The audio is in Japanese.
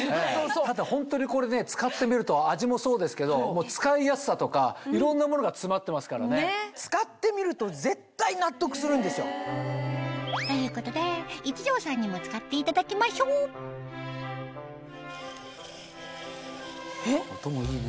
ただホントにこれ使ってみると味もそうですけど使いやすさとかいろんなものが詰まってますからね。ということで壱城さんにも使っていただきましょうえ？